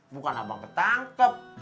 bukan abang ketangkep